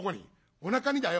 「おなかにだよ」。